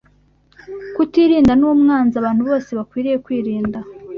Kutirinda ni umwanzi abantu bose bakwiriye kwirinda